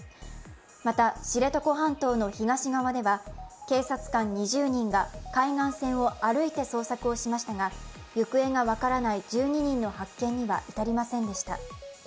また、知床半島の東側では警察官２０人が海岸線を歩いて捜索をしましたが行方が分からない１２人の発見には至りませんでした。